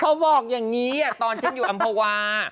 เขาบอกอย่างนี้ตอนฉันอยู่อำภาวา